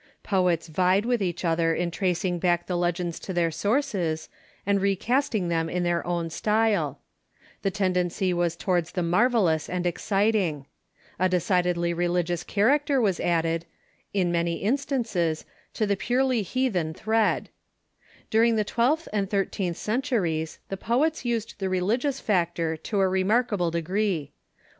Poets vied with each other Literature tracing back the legends to their sources, and re and Religion ^?.,.°,™,,' castmg them hi their own style. 1 he tendency was GENERAL LITERATURE 185 towards tbe marvellous and exciting. A decidedly religious character was added, in many instances, to the purely heathen thread. During the twelfth and thirteenth centuries the poets used the religious factor to a remarkable degree.